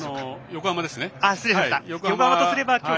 横浜ですね。